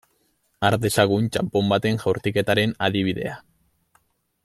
Har dezagun txanpon baten jaurtiketaren adibidea.